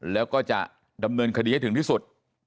แล้วก็จะดำเนินคติจะอยู่อย่างที่สุด